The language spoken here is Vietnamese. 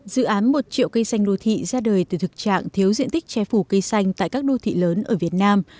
dự án một triệu cây xanh đô thị ra đời từ thực trạng thiếu diện tích che phủ cây xanh tại các đô thị lớn ở việt nam